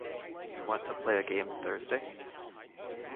Do you want to play a game Thursday?